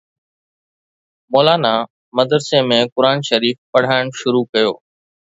مولانا مدرسي ۾ قرآن شريف پڙهائڻ شروع ڪيو